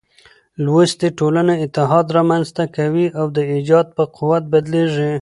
لوستې ټولنه اتحاد رامنځ ته کوي او د ايجاد په قوت بدلېږي.